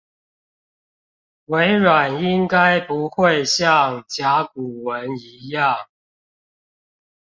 微軟應該不會像甲骨文一樣